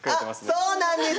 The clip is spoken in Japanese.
あっそうなんです